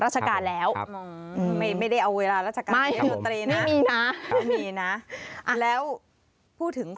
สนุนโดยอีซุสุข